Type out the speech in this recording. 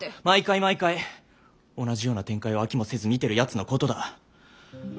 毎回毎回同じような展開を飽きもせず見てるやつのことだ。